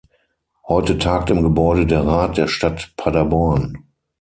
Heute tagt im Gebäude der Rat der Stadt Paderborn.